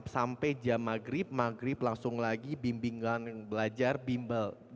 sampai jam maghrib maghrib langsung lagi bimbingan belajar bimbel